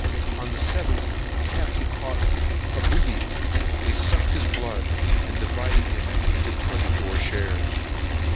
On the 7th, the Captain's boat caught a booby. They sucked his blood, and divided him into twenty four shares.